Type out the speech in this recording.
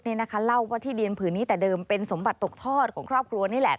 เล่าว่าที่ดินผืนนี้แต่เดิมเป็นสมบัติตกทอดของครอบครัวนี่แหละ